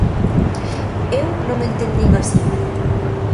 Eu non entendín así.